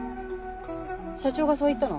社長がそう言ったの？